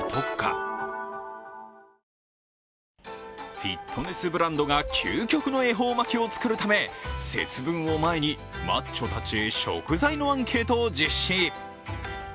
フィットネスブランドが究極の恵方巻を作るため、節分を前にマッチョたちへ食材のアンケートを実施。